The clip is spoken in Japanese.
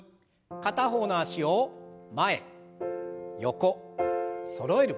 片方の脚を前横そろえる。